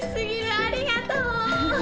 ありがとう！